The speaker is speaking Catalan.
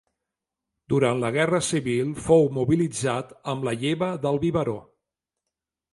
Durant la Guerra Civil fou mobilitzat amb la Lleva del Biberó.